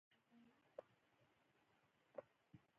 مایا دولت ښارونو پرمختللی تمدن رامنځته کړ